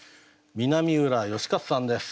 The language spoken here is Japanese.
南浦義勝さんです。